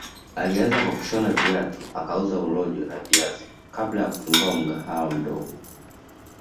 Alianza kwa kushona viatu akauza urojo na viazi kabla ya kufungua mgawaha mdogo